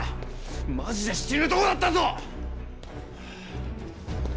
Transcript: マジで死ぬとこだったぞ！！